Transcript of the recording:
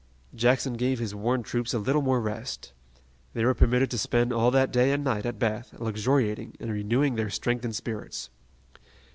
Jackson gave his worn troops a little more rest. They were permitted to spend all that day and night at Bath, luxuriating and renewing their strength and spirits.